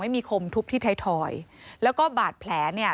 ไม่มีคมทุบที่ไทยทอยแล้วก็บาดแผลเนี่ย